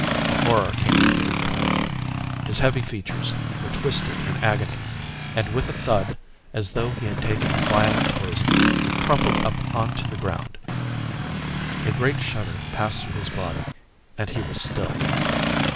A horror came into his eyes. His heavy features were twisted in agony, and with a thud, as though he had taken a violent poison, he crumpled up on to the ground. A great shudder passed through his body and he was still.